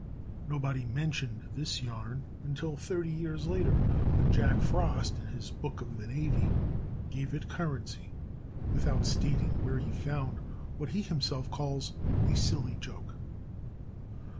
Nobody mentioned this yarn until thirty years later, when Jack Frost in his Book of the Navy gave it currency, without stating where he found what he himself calls "a silly joke."